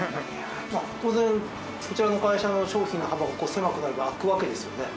まあ当然こちらの会社の商品の幅が狭くなる分空くわけですよね。